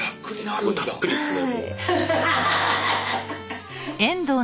すごいたっぷりっすね。